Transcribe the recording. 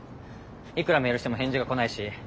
いくらメールしても返事が来ないし。